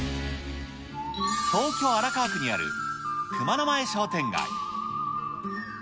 東京・荒川区にある熊野前商店街。